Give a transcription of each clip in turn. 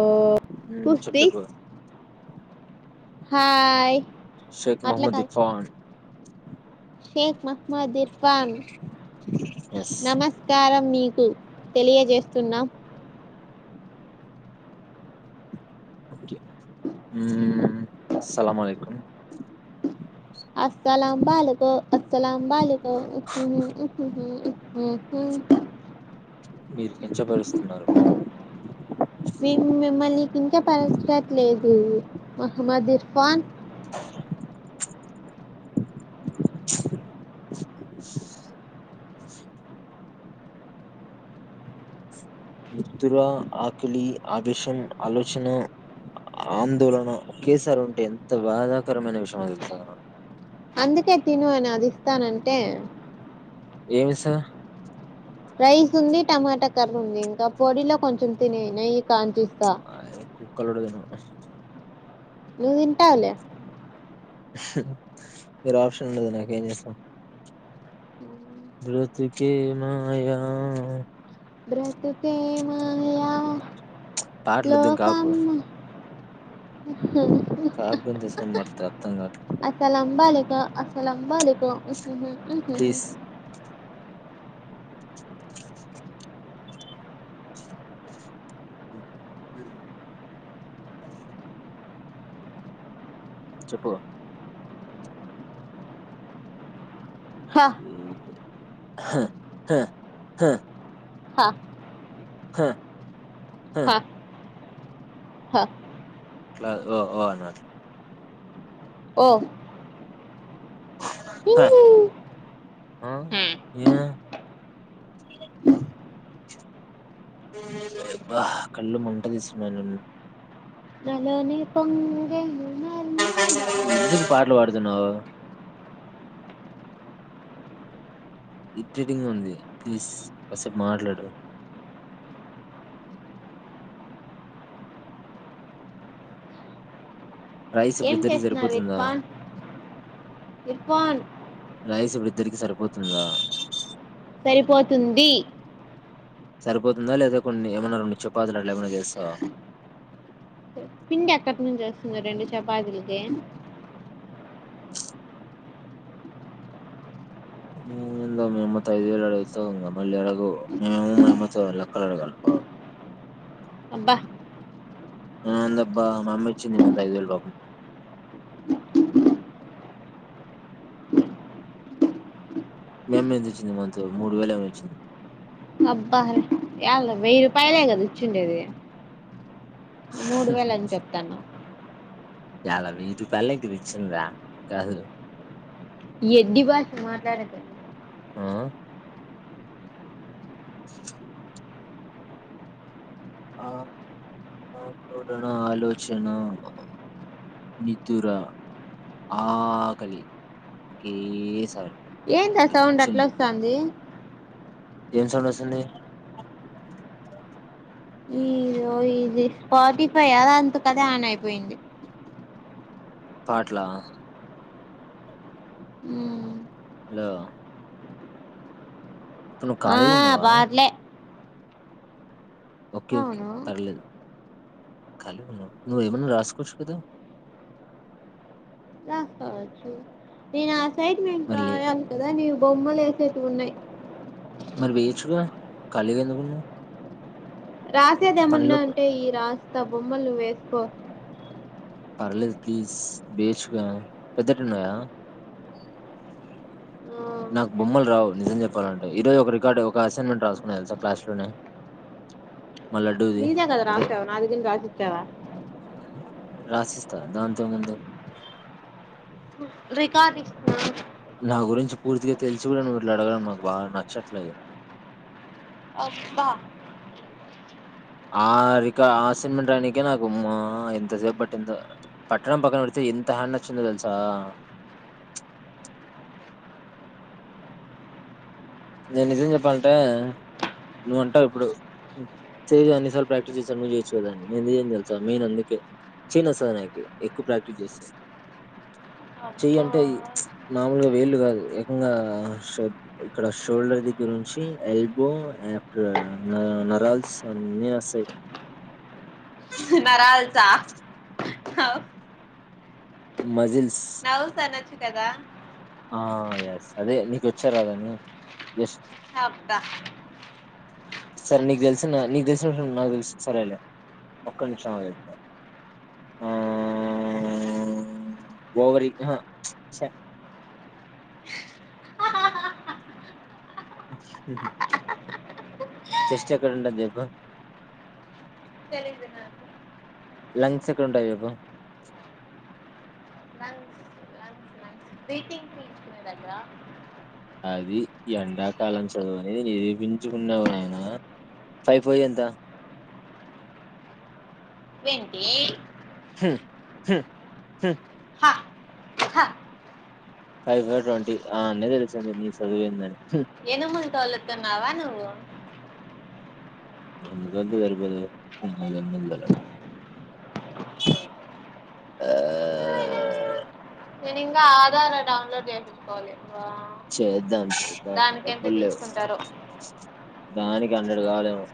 ఓ ఉమ్, ఊస్ చెప్పు చెప్పు దీస్ హాయ్ శేఖ్ అట్లా మహమ్మద్ కాదు ఇఫ్పాన్ మహమ్మద్ ఇర్ ఎస్ [unintelligible] నమస్కారం మీకు తెలియజేస్తున్నాం ఊ సలామాలేకుం అస్సలు అబా అల్లకు అసలం బాలికో మ్మ్ మీరు కించపరుస్తున్నారు మా మేం మిమ్మల్ని కించపరచట్లేదు మహమ్మద్ ఇర్ఫాన్ మితుర ఆకలి ఆ విషయం ఆలోచన ఆందోళన ఒకేసారి ఉంటే ఎంత బాధాకరమైన విషయమో తెలుస అందుకే తిను అని అది ఇస్తానంటే ఏమి ఇస్తా రైస్ ఉంది టమాటా కర్రుంది ఇంకా పొడిలో కొంచెం తినేయ్ నెయ్ అయి కుక్కలు కూడా తినవ్ [unintelligible] నువ్వు తింటావ్ లే వేరే ఆప్షన్ ఉండదు నాకేం చేస్తాం బతుకె మాయా బ్రతుక్ సేమయా పాటలు వద్దు ఇంకా ఆపు లోకం కాకు తీసుకోని పడుతుంది అర్థం కాదు అసలం బాలికో అసలం బాలికో ప్లీజ్ మ్మ్ చెప్పు [unintelligible] హా హా హా హా హా హా హా అట్లా ఓ ఓ అన్నట్లు ఓ ఇ ఆ ఏ అబ్బా కళ్ళు మంట లేస్తున్నాయి నిన్న నాలోనే పొంగెను నర్మదా నువ్వు ఎందుకు పాటలు పడుతునావ్ ఇరిటేట్ గా ఉంది ప్లీజ్ కోస్సేపు మాట్లాడు రైస్ ఇప్పుడు ఏం ఇద్దరికి చేస్తున్నారు సరిపోతుందా విర్పన్ విర్పాన్ రైస్ ఇప్పుడు ఇద్దరికి సరిపోతుందా సరిపోతుంది సరిపోతుందా లేదా కొన్ని ఏమన్న రెండు చెపాతిలట్లేమన్న చేస్తవా పిండి ఎక్కటి నుంచి వస్తుంది రెండు చపాతీలకి [unintelligible] మేమత్త ఐదు వేలు అడిగిస్తాం మళ్ళీ ఎలాగూ మేము మేమ్మతో లక్కలు అడగాల బాగా అబ్బ నాందబ్బా మా అమ్మీ ఇచ్చింది నాకు ఐదువేలు పాపం మేమ్మే తెచ్చింది మంతో మూడు వేలు ఏమె ఇచ్చింది అబ్బా ఎళ్ల వెయ్యి రూపాయలే కదాచ్చుండేది మూడు వేల అని చెప్తాన్నవ్ యలా వెయ్యి రూపాయల ఇకు తెచ్చిందా కాదు ఏడ్డి బాషా మాట్లాడకు ఆ ఆ ఆందోళన ఆలోచన నితుర ఆకలి ఒకేసారి ఏంది ఆ సౌండ్ చిన్ అట్లోస్తాంది ఏం సౌండ వస్తుంది ఇదో ఇది స్పాట్టిఫై అదా అంతకదే ఆన్ అయిపోయింది పాట్లా హలో ఆ ఖాళీగా ఉన్నావా పాట్లే ఓకే ఓకే అవును పర్లేదు ఖలి ఉన్నావు నువ్వేమన్నా రాసుకోవచ్చు కదా దినాస్ సైట్మెంటు మరి లే రాయాలి కదా నీవు బొమ్మలు ఏసెటివున్నయి మరి వేయచ్చుగా ఖాళీగా ఎందుకున్నావు రాసేది ఏమన్నా అంటే ఈ రాస త బొమ్మలు నువ్వేసుకో పర్లేదు ప్లీజ్ బేచ్గా పెద్దటిన్నాయా ఆ నాకు బొమ్మలు రావు నిజం చెప్పాలంటే ఈరోజు ఒక రికార్డు ఒక అసైన్మెంట్ రాసుకున్నా తెలుసా క్లాస్ లోనే మా లడ్డూది నీదేగద అదే రాసావ్ నాదిగిింన్ రాసిచ్చావా రాసిస్థా దంతోముంది రికార్డిస్తునా నా గురించి పూర్తిగా తెలిసి కూడా నువ్వు ఇట్లా అడగడం నాకు బాగా నచ్చట్లేదు అబ్బ ఆ రిక ఆసన్మెంట్ రానికే నాకుమ ఎంతసేపు పట్టింత పట్టడం పక్కన పెడితే ఎంత హ్యాండ్ నచ్చిందో తెలుసా నేను నిజం చెప్పాలంటే నువ్వుంటావు ఎప్పుడుజ చేయి అన్నిసార్లు ప్రాక్టీస్ చేస్తాను నువ్వు చేయొచ్చు కదా అని నేను ఎందుకు చేయను తెలుతా మెయిన్ అందుకే చెయ్ నొస్తది నాకి ఎక్కువ ప్రాక్టీస్ చేస్తే చెయ్య అంటే మామూలుగా వేళు కాదు ఎకంగా అక్కడ షోల్డర్ దగ్గర నుంచి ఎల్బో ఆఫ్టర్ న నరాల్స్ అన్ని అస్తాయి హా మజిల్స్ నవ్స్ అనచ్చు కదా ఆ ఎస్ అదే నీకొచ్చారు రాదా అని జస్ట్ అబ్బ సరే నీకు తెలిసిన నీకు తెలిసిన విషయం నాకు తెలిసిన సరేలే ఒక్క నిమిషం ఆగు ఆ ఓవరి అహ ఛ అ చెెస్ట్ ఎక్కడ ఉంటది చెప్పు తెలీదు నాకు లంగ్స్ ఎక్కడ ఉంటాయి చెప్పు లంగ్స్ లంగ్స్ లంగ్స్ బ్రీతింగ్ పీల్చుకునే దగ్గర అదీ ఎండాకాలం చదువు అనేది నిరూపించుకున్నవు నాయన ఫైవ్ ఫైవ్ ఎంత వెంటి హూ హూ హూ హ హ ఫైవ్ ఫైవ్ ట్వంటీ ఆణ్ణే తెలిసింది నీ చదువు ఏందని ఏనుమును తోలతున్నావా నువ్వు ది సరిపోతాది ఆ [unintelligible] నేను ఇంకా ఆధార్ డౌన్లోడ్ చేప్పించుకోవాలి చేద్దాం ఎంత డబ్బుల్లేవు తీసుకుంటారో దానికి హండ్రెడ్ కావాలేమో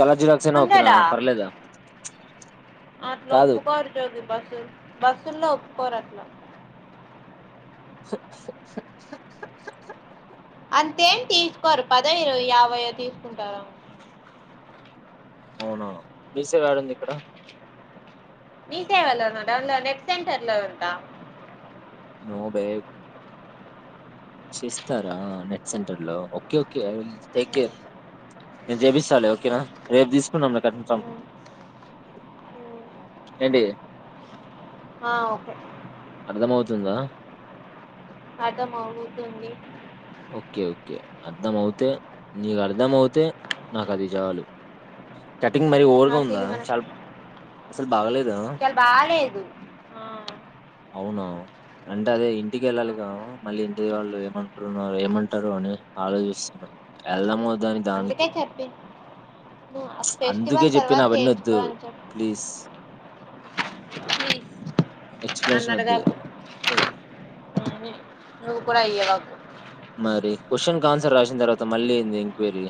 కలర్ జిరాక్స్ అయినా ఓకేనా హండ్రెడా పర్లేదా అట్ల కాదు ఒప్పుకోరు జ్యోతి బస్ బస్సుల్లో పోరత్న [unintelligible] అంతేం తీసుకోరు పదో ఇరవై యాభైయ్యో తీసుకుంటారా అవునా బీసీ గాడ ఉంది ఇక్కడ మీ సేవలో ఉన్నా డౌన్లో నెట్ సెంటర్ లో ఉంటా నోబె చేస్తారా నెట్ సెంటర్లో ఓకే ఓకేఐవిల్ టేక్ కేర్ నేను చేపిస్తాలే ఓకేనా రేపు తీసుకున్నాం మీకు [unintelligible] నీసం ఏంటి ఆ ఓకే అర్ధమవుతుందా అర్ధం అవుతుంది ఓకే ఓకే అర్థంమవుతే నీకు అర్థంమవుతే నాకు అది చాలు కటింగ్ మరీ ఓవర్గా ఉందా చాల అసల్ సల్ బాలేదు ఆ అవునా అంటే అదే ఇంటికి వెళ్ళాలిగా అవును. మళ్ళీ ఇంటిది వాళ్ళు ఏమ అన్నారు ఏమంటారు అని ఆలోచిస్తున్నా వెళ్దామ వ అందుకే చెప్పిను అందుకే ఫెస్టివల్ చెప్పిన తర్వాత అవన్నీ వద్దు చేయించుకో అని చెప్పి ప్లీజ్ ఎక్స్ప్లెనేషన్ వద్దు అన్నడగాకు నువు కూడా అయ్యవాకు మరి క్వశ్చన్ కి ఆన్సర్ రాసిన తర్వాత మళ్ళీ ఏంది ఎంక్వైరీ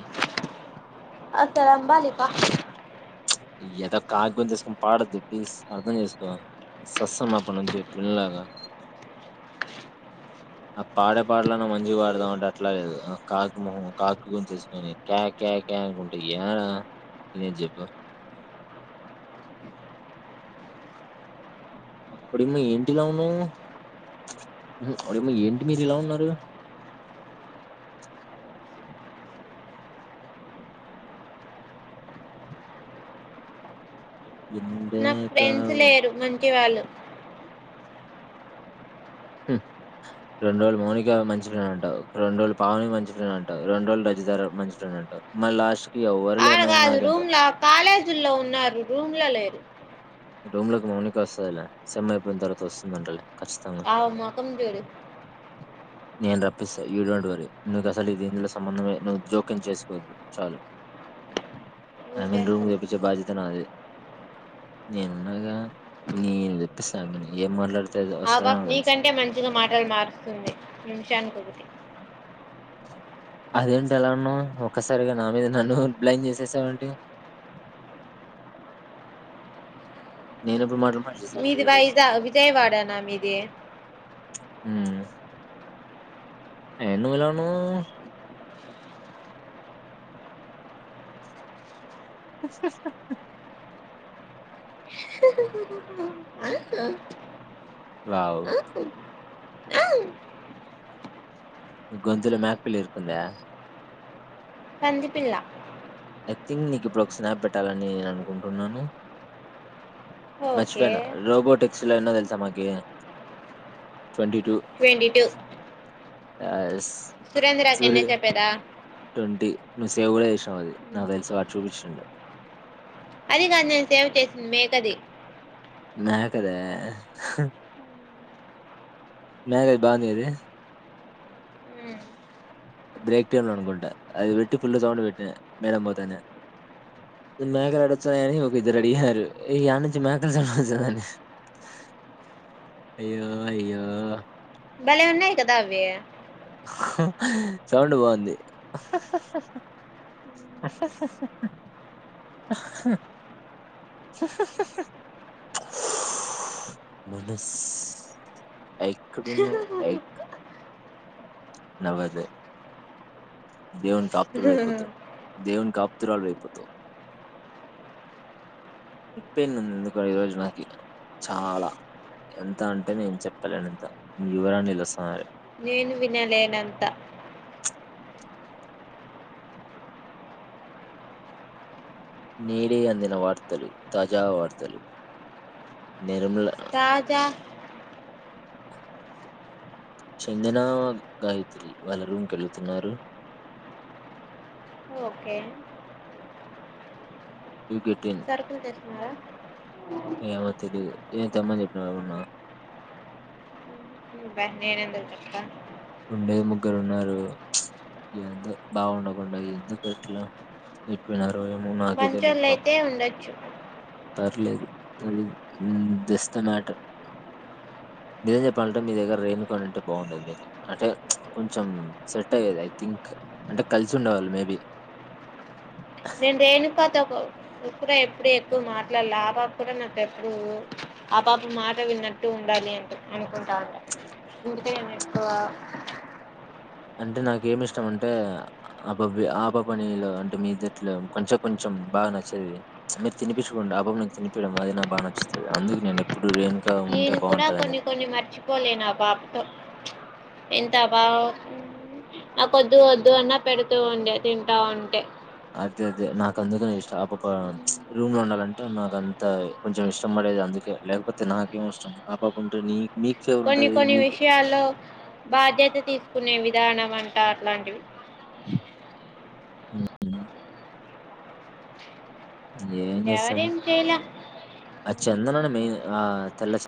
అత్తరంబాలిపా ప్చ్ ఎదవ కాకి గొంతేసుకొని పాడొద్దు ప్లీజ్ అర్ధం చేసుకో సస్తన్న అప్పటి నుంచి వినలేక ఆ పాడే పాటలన్న మంచిగా పాడతావంటే అట్లా లేదు ఆ కాకి మొహం కాకి గొంతేసుకొని కే కే కే అనుకుంటూ ఎరా ఏం చెప్పావ్ అప్పుడేమో ఏంటి ఇలా ఉన్నావ్ అప్పుడేమో ఏంటి మీరు ఇలా ఉన్నారు నాకు ఎందాక ఫ్రెండ్స్ లేరు మం కి వాళ్ళు రెడు రోజులు మౌనిక మంచి ఫ్రెండ్ అంటావు రెండు రోజులు పావని మంచి ఫ్రెండ్ అంటావు రెండు రోజులు రజితా మంచి ఫ్రెండ్ అంటావు మరి లాస్ట్ కి ఎవ్వరు లేరు నేను ఆడగాదు నాకంట రూమ్లో కాలేజీల్లో ఉన్నారు రూమ్ లో లేరు రూమ్ లోకి మౌనిక వస్తదిలే సెమ్ అయిపోయిన తర్వాత వస్తుందంటలే ఖచ్చితంగా ఆమె ముఖం జూడు నేను రప్పిస్తా యూ డోంట్ వరీ నుకు అసలు దీందుల సంబంధమే నువ్వు జోక్యం చేసుకోవద్దు చాలు ఐ నువ్వు మీన్ రూమ్ చేసుకున్నావు తెపించే బాధ్యత నాది నేనున్నాగా నేను తెప్పిస్తా ఆమెని ఏం మాట్లాడు ఆ బాబు నీకంటే మంచిగా మాటలు మారుస్తుంది జానుకోకుటి అదేంటి ఎలా ఉన్నావు ఒక్కసారిగా నా మీద నన్ను బ్లైన్ చేసేసావు ఏంటి నేను ఎప్పుడు మాట్లా మీది వైఇదా విజయవాడనా మీది హ ఎను వెలన్ [unintelligible] అ లావు నీ గొంతుల మేక పిల్ల ఇరుకుందా పంది పిల్ల ఐ థింక్ నీకు ఇప్పుడు ఒక స్నాప్ పెట్టాలని నేను అనుకుంటున్నాను ఓకే మర్చిపోయాను లోబోటిక్స్ తిలో ఎన్నో తెలుసా మాకి ట్వంటీ టూ ట్వంటీ టూ ఆస్ సురేంద్రకి ఎన్న చెప్పేదా ట్వంటీ నువ్వు సేవ్ కూడా చేసావు అది నా తెలుసు వాడు చూపించిండు అది కాదు నేను సేవ చేసింది మేకది మేక దా మ్యారేజ్ బాగుంగది బ్రేక్ టైమ్ లో అనుకుంటా అది పెట్టి ఫుల్ సౌండ్ పెట్టిన మేడం పోతానే మేకలు ఏడ వాతనాయని అని ఒక ఇద్దరు అడిగారు ఈడ నుంచి మేకలు చచ్చని అయ్యో అయ్యో భలే ఉన్నాయి కదా అవ్వి సౌండ్ బాగుంది మనస్ ఎక్కడ ఉన్నావు నవదే దేవున్ టాప్తు వైపోతో దేవుని కు ఆప్తురాలు వైపోతావు నెక్ పెయిన్ ఉంది ఎందుకు ఈ రోజు చాలా ఎంత అంటే నేం చెప్పలేను ఇంత న యువరాణిలు వస్తున్నారు నేను వినలేనంత నేడే అందిన వార్తలు తాజా వార్తలు నిర్మల తాజా చందిన గాయత్రి వల్ల రుముకెళ్ళుతున్నారు ఓకే యూకేటిల్ సరుకులు తెస్తున్నారా ఏమో తెలివి ఏం తేమ్మని చెప్పిన ఎవన్నా బన్ నేను ఎందుకు చెప్పుతా ఉండే ముగ్గురు ఉన్నారు ఎందు బాగుండకుండా ఎందుకు ఎట్లా చెప్పనారు మంచోళ్ళుయితే ఉండొచ్చు పర్లేదు అది దస్ ద మ్యాటర్, మీరేం చెప్పాలంటే మీ దగ్గర రేను కాని అంటే బాగుండదు మీకు అంటే కొంచెం సెట్ అయ్యేది ఐ థింక్ అంటే కలిసి ఉండవాళ్ళు మేబి క్క ఎప్పుడు ఎక్కువ మాట్లాడాల ఆబాప కూడా నాకు ఎప్పుడు ఆబప మాట విన్నట్టు ఉండాలి అంట అనుకుంటా ఉంట అందుే ఎక్కువ అంటే నాక ఏమి ఇష్టం అంటే, ఆబ ఆప పనిలో అంటే మీద్దట్లో కొంచెం కొంచెం బాగా నచ్చేది, మీరు తినిపించుకుంటే ఆపకు తినిపియడం, అది నాకు బాగా నచ్చుతుంది, అందుకు నేను ఎప్పుడును నేను కూడా కొన్ని కొన్ని మర్చిపోలే నా బాబతో ఎంత బా నాకొద్దు వద్దు అన్నా పెడుతూ ఉండే తింటా ఉంటే అదే అదే నాకు అందుకనే ఇష్టం ఆ పాప రూమ్ లో ఉండాలంటే, నాకు అంత కొంచెం ఇష్టం పడేది, అందుకే లేకపోతే నాకేం ఇష్టం ఆ పాప ఉంటే నీ మీకు ఫేవర్ కొన్ని ఉంటది కొన్ని మీకు విషయాల్లో బాధ్యత తీసుకునేవి ద్యాన అంట అట్లాంటివి ఉమ్, ఏం చేస్తాం ఎవరేం చేయలే ఆ చందనని మెయిన్ ఆ తెల్ల